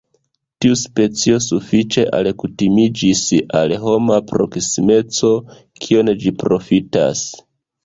Tiu specio sufiĉe alkutimiĝis al homa proksimeco, kion ĝi profitas.